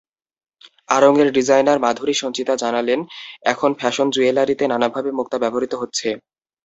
আড়ং-এর designer Madhuri Sanchita জানালেন, এখন fashion জুয়েলারিতে নানাভাবে মুক্তা ব্যবহৃত হচ্ছে।